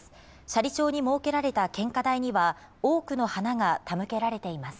斜里町に設けられた献花台には多くの花が手向けられています。